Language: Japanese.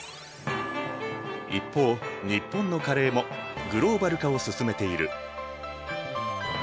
一方日本のカレーもグローバル化を進めている。